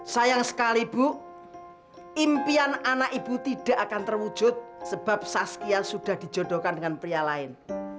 sayang sekali bu impian anak ibu tidak akan terwujud sebab saskia sudah dijodohkan dengan pria lain